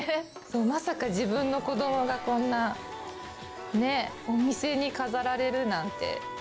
まさか自分の子どもがこんなね、お店に飾られるなんて。